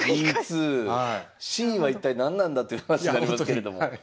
Ｃは一体何なんだっていう話になりますけれども。